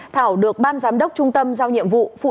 thảo được ban giám đốc trung tâm giao nhiệm vụ